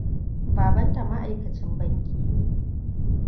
Babanta ma'aikacin banki ne.